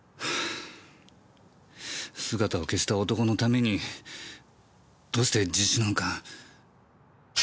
姿を消した男のためにどうして自首なんか？